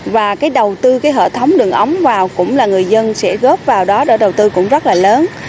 và cái đầu tư cái hệ thống đường ống vào cũng là người dân sẽ góp vào đó để đầu tư cũng rất là lớn